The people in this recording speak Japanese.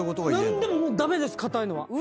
何でももう駄目です硬いのは。